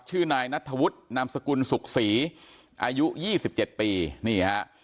ชื่อนายนัทธวุฒินามสกุลสุขศรีอายุ๒๗ปีนี่ฮะ